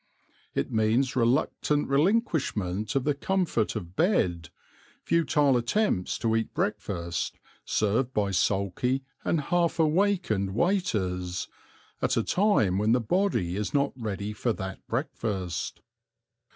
It means reluctant relinquishment of the comfort of bed, futile attempts to eat breakfast served by sulky and half awakened waiters, at a time when the body is not ready for that breakfast.